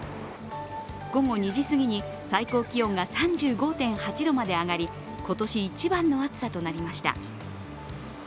午後２時すぎに最高気温が３５．８度まで上がり今年一番の暑さとなりました。